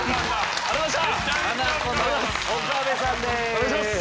お願いします！